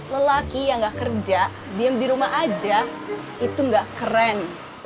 lelaki yang gak kerja diam di rumah aja itu nggak keren